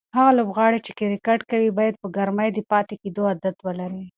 هغه لوبغاړي چې کرکټ کوي باید په ګرمۍ کې د پاتې کېدو عادت ولري.